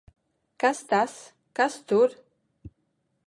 Kas tas! Kas tur!